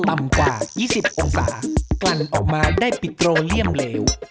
ต่ำกว่า๒๐องศากลั่นออกมาได้ปิดโปรเลียมเหลว